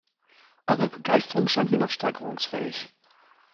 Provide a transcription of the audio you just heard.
Eure Begeisterung scheint mir noch steigerungsfähig.